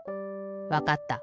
わかった。